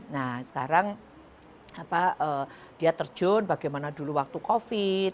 nah sekarang dia terjun bagaimana dulu waktu covid